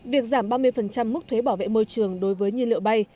việc giảm ba mươi mức thuế bảo vệ môi trường đối với nhiên liệu bay